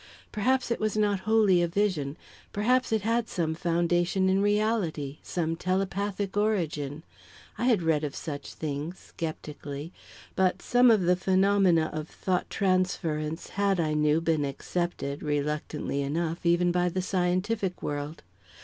Perhaps it was not wholly a vision; perhaps it had some foundation in reality, some telepathic origin. I had read of such things, sceptically; but some of the phenomena of thought transference had, I knew, been accepted, reluctantly enough, even by the scientific world.